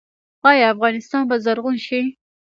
آیا افغانستان به زرغون شي؟